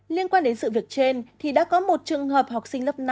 liên quan đến sự việc trên thì đã có một trường hợp học sinh lớp năm